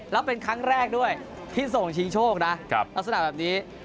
แล้วเป็นครั้งแรกด้วยที่ส่งชิงโชคนะลักษณะแบบนี้